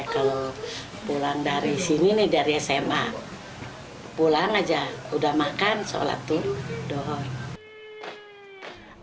kalau pulang dari sini nih dari sma pulang aja udah makan sholat tuh dohor